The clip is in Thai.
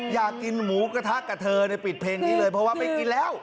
อยากกินหมูกระทะกับเธอในปิดเพลงนี้เลยเพราะว่าไปกินแล้ว